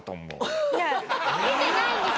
いや見てないんです。